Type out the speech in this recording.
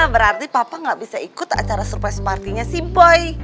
berarti papa gak bisa ikut acara surprise party nya si boy